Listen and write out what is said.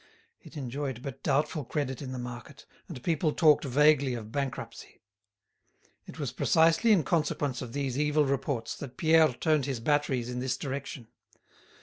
It enjoyed but doubtful credit in the market, and people talked vaguely of bankruptcy. It was precisely in consequence of these evil reports that Pierre turned his batteries in this direction.